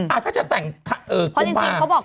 อ่าถ้าจะแต่งกุมภาพ